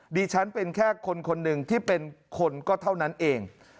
ดิฉันเป็นแค่คนคนหนึ่งที่เป็นคนก็เท่านั้นเอง